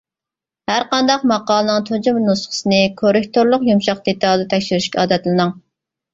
ھەرقانداق ماقالىنىڭ تۇنجى نۇسخىسىنى كوررېكتورلۇق يۇمشاق دېتالىدا تەكشۈرۈشكە ئادەتلىنىڭ.